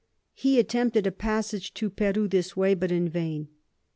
He attempted a Passage to Peru this way, but in vain.